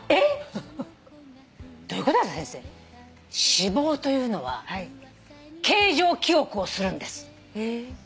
「脂肪というのは形状記憶をするんです。